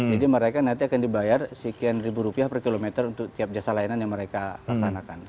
jadi mereka nanti akan dibayar sekian ribu rupiah per kilometer untuk tiap jasa layanan yang mereka pesanakan